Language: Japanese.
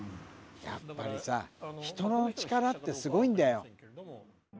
やっぱりさ人の力ってすごいんだよ。